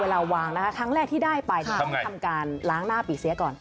เวลาวางนะคะครั้งแรกที่ได้ไปต้องทำการล้างหน้าปีเสียก่อน